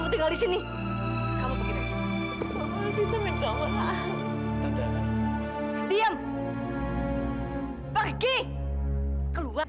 terima kasih juga